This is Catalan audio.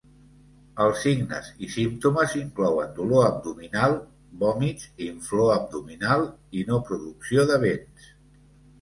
Els signes i símptomes inclouen dolor abdominal, vòmits, inflor abdominal i no producció de vents.